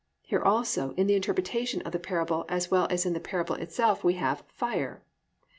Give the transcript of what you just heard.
Here, also, in the interpretation of the parable as well as in the parable itself we have fire.